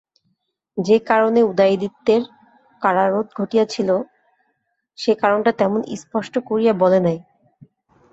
যে-কারণে উদয়াদিত্যের কারারোধ ঘটিয়াছিল, সে-কারণটা তেমন স্পষ্ট করিয়া বলে নাই।